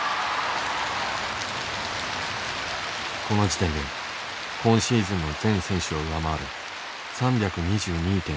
この時点で今シーズンの全選手を上回る３２２．３６。